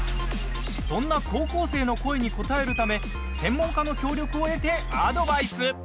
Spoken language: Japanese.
そんな高校生の声に応えるため専門家の協力を得てアドバイス。